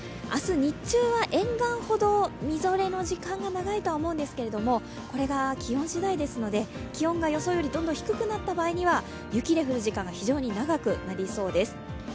明日日中は沿岸ほど、みぞれの時間が長いとは思うんですが、これが気温しだいですので、気温が予想よりどんどん低くなった場合には雪で降る時間が非常に長くなりそうです。